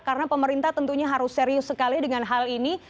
karena pemerintah tentunya harus serius sekali dengan hal ini